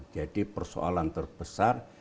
jadi persoalan terbesar